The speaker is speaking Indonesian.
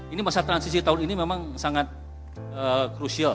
ini masa transisi tahun ini memang sangat krusial